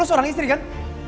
lu seorang istri kan